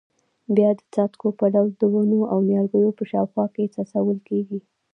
بیا د څاڅکو په ډول د ونو او نیالګیو په شاوخوا کې څڅول کېږي.